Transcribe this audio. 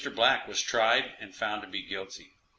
Black was tried and found to be guilty.